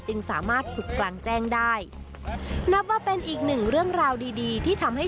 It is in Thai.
สามารถฝึกกลางแจ้งได้นับว่าเป็นอีกหนึ่งเรื่องราวดีดีที่ทำให้